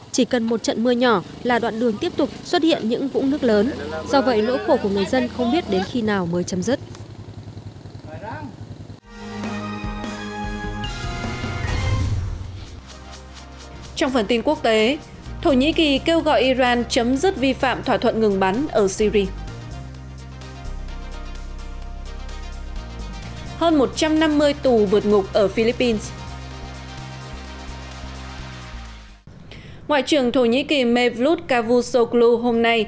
chỉ cần một trận mưa nhỏ là đoạn đường tiếp tục xuất hiện những vũng nước lớn